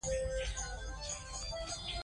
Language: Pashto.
خلک له حقيقت منلو څخه تښتي.